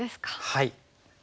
はい。